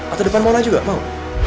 atau depan moral juga mau